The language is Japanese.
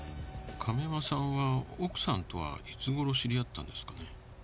亀山さんは奥さんとはいつごろ知り合ったんですかね？